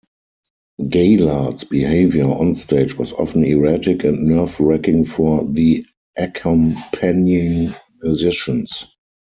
Gaillard's behaviour on stage was often erratic and nerve-wracking for the accompanying musicians.